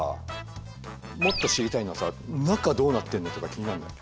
もっと知りたいのはさ中どうなってんのとか気になんない？